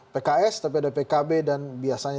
pks tapi ada pkb dan biasanya